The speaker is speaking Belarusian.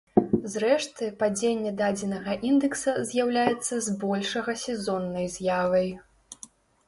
Зрэшты, падзенне дадзенага індэкса з'яўляецца збольшага сезоннай з'явай.